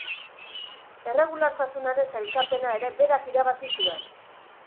Erregulartasunaren sailkapena ere berak irabazi zuen.